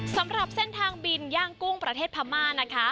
สำหรับเส้นทางบินย่างกุ้งประเทศพม่านะคะ